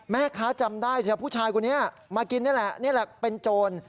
แม่ค้าจำได้ใช่ไหมผู้ชายคนนี้มากินนี่แหละนี่แหละเป็นโจร